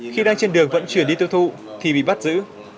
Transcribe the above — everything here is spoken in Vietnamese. khi đang trên đường vận chuyển đi tiêu thụ thì bị bắt giữ